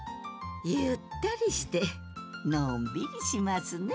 ゆったりしてのんびりしますね。